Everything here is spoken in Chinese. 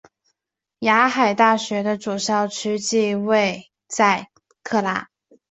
海牙大学的主校区即位在拉克。